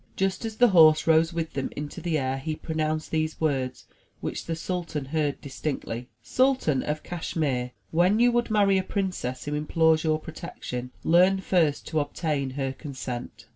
Just as the horse rose with them into the air, he pronounced these words which the sultan heard distinctly: '* Sultan of Cashmere, when you would marry a princess who implores your protection, learn first to obtain her consent.''